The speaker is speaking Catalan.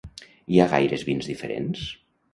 Hi ha gaires vins diferents?